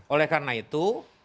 oleh karena itu